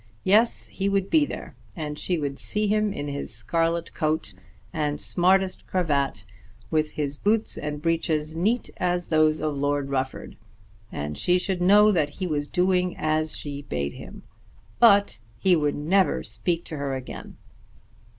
Yes; he would be there; and she would see him in his scarlet coat, and smartest cravat, with his boots and breeches neat as those of Lord Rufford; and she should know that he was doing as she bade him. But he would never speak to her again!